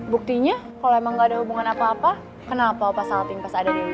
buktinya kalo emang gak ada hubungan apa apa kenapa opa salting pas ada dewi